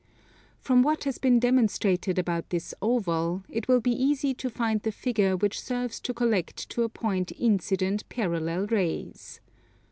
From what has been demonstrated about this oval, it will be easy to find the figure which serves to collect to a point incident parallel rays.